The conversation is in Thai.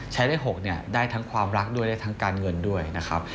เลข๖เนี่ยได้ทั้งความรักด้วยได้ทั้งการเงินด้วยนะครับ